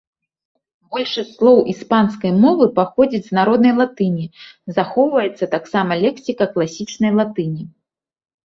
Большасць слоў іспанскай мовы паходзіць з народнай латыні, захоўваецца таксама лексіка класічнай латыні.